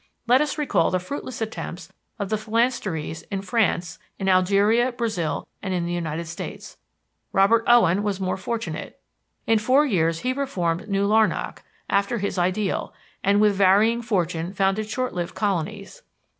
Let us recall the fruitless attempts of the "phalansteries" in France, in Algeria, Brazil, and in the United States. Robert Owen was more fortunate; in four years he reformed New Larnak, after his ideal, and with varying fortune founded short lived colonies.